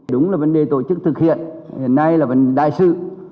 đúng là vấn đề tổ chức thực hiện hiện nay là vấn đại sự